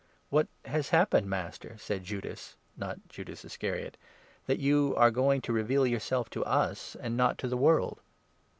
"What has happened, Master," said Judas (not Judas 22 Iscariot), "that you are going to reveal yourself to us, and not to the world